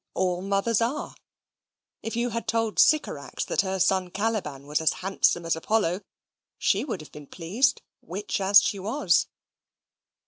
All mothers are. If you had told Sycorax that her son Caliban was as handsome as Apollo, she would have been pleased, witch as she was.